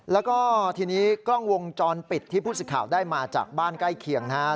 แล้วก็ทีนี้กล้องวงจรปิดที่ผู้สิทธิ์ข่าวได้มาจากบ้านใกล้เคียงนะครับ